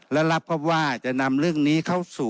และรับครับว่าจะนำเรื่องนี้เข้าสู่